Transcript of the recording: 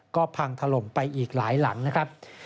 ก็พังถล่มไปอีกหลายหลังนะครับ